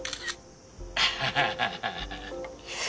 アハハハハ！